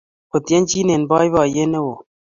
Otienji en boiboiyet ne won